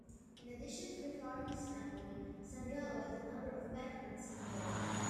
In addition to the Farnese family, Sangallo had a number of patrons in Rome.